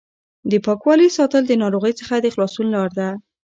د پاکوالي ساتل د ناروغۍ څخه د خلاصون لار ده.